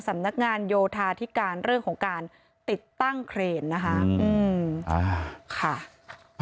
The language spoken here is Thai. สำนักงานโยธาทิการเรื่องของการติดตั้งเครนนะครับ